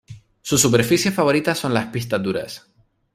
Su superficie favorita son las pistas duras.